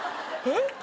えっ？